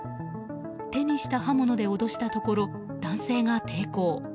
手にした刃物で脅したところ男性が抵抗。